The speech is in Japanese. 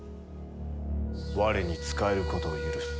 我に仕えることを許す。